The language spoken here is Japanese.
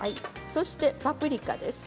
そしてパプリカです。